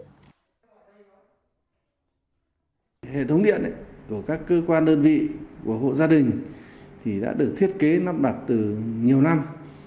hệ thống điện của các cơ quan đơn vị hộ gia đình đã được thiết kế nắp đặt từ nhiều năm